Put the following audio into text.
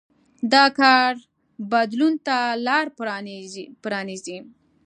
دا کار بدلون ته لار پرانېزي.